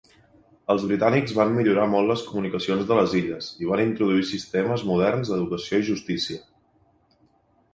Els britànics van millorar molt les comunicacions de les illes i van introduir sistemes moderns d'educació i justícia.